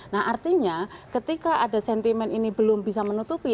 nah artinya ketika ada sentimen ini belum bisa menutupi